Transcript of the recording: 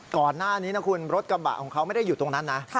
ก่อนหน้านี้นะคุณรถกระบะของเขาไม่ได้อยู่ตรงนั้นนะ